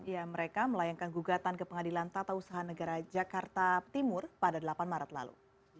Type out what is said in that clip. ya mereka melayangkan gugatan ke pengadilan tata usaha negara jakarta timur pada delapan maret lalu